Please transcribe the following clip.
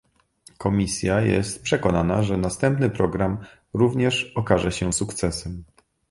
Komisja jest przekonana, że następny program również okaże się sukcesem